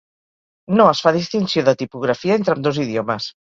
No es fa distinció de tipografia entre ambdós idiomes.